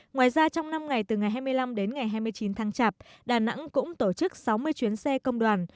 ngoài ra trong năm ngày từ ngày hai mươi năm đến ngày hai mươi chín tháng chạp đà nẵng cũng tổ chức sáu mươi chuyến xe công đoàn